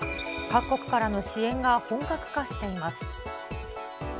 各国からの支援が本格化しています。